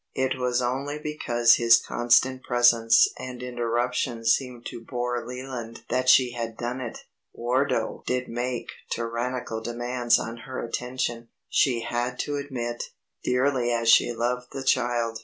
It was only because his constant presence and interruptions seemed to bore Leland that she had done it. Wardo did make tyrannical demands on her attention, she had to admit, dearly as she loved the child.